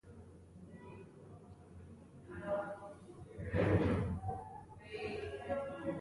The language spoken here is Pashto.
د حیرتان دښتې ریګي دي